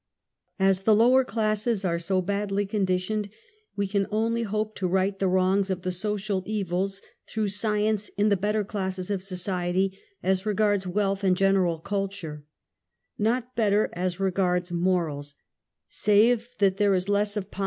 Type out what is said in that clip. As the lower classes are so badly conditioned, we can only hope to right the wrongs of the social evils, through science in the better classes of society as regards wealth and general culture, ^^ot better as regards morals, save that there is less of the posi 86 UNMASKED.